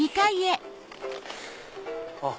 あっ